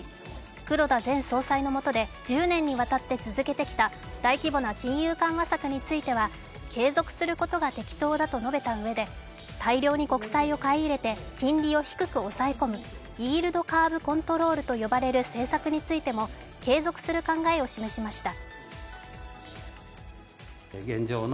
黒田前総裁のもとで１０年にわたって続けてきた大規模な金融緩和策については継続することが適当だと述べたうえで大量に国債を買い入れて、金利を低く抑え込むイールドカーブコントロールと呼ばれる政策についても継続する考えを示しました。